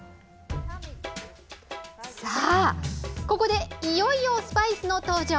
さあ、ここでいよいよスパイスの登場！